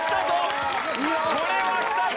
これはきたぞ！